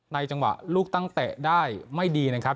จังหวะลูกตั้งเตะได้ไม่ดีนะครับ